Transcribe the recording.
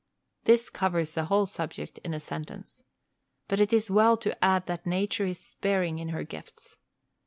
This covers the whole subject in a sentence. But it is well to add that Nature is sparing of her gifts.